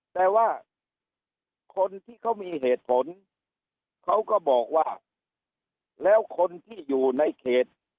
แต่ว่าคนที่เขามีเหตุผลเขาก็บอกว่าแล้วคนที่อยู่ในเขต